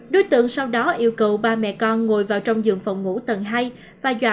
đối tượng sau đó yêu cầu ba mẹ con ngồi vào trong giường phòng ngủ tầng hai